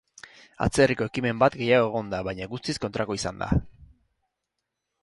Atzerriko ekimen bat gehiago egon da, baina guztiz kontrakoa izan da.